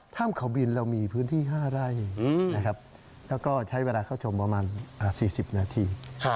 ถ้ำเขาบินเรามีพื้นที่๕ไร่นะครับแล้วก็ใช้เวลาเข้าชมประมาณ๔๐นาที